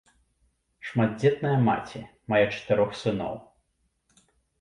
Шматдзетная маці, мае чатырох сыноў.